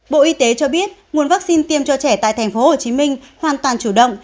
bộ y tế cho biết nguồn vaccine tiêm cho trẻ tại tp hcm hoàn toàn chủ động